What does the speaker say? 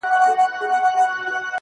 نورو ته مي شا کړې ده تاته مخامخ یمه.